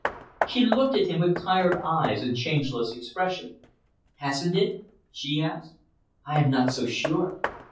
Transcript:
She looked at him with tired eyes and changeless expression. "Hasn't it?" she asked. "I am not so sure.